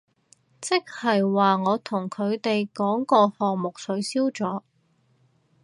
即係話我同佢哋講個項目取消咗